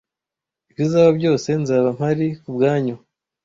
Ibizaba byose, nzaba mpari kubwanyu.